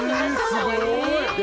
すごい。